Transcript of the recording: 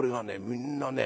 みんなね